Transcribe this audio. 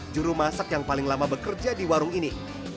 juru masak yang paling lama bekerja di warung ini